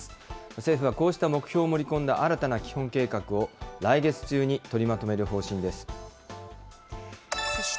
政府はこうした目標を盛り込んだ新たな基本計画を、来月中に取りそして